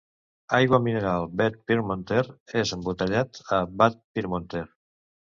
Aigua mineral Bad Pyrmonter és embotellat a Bad Pyrmont.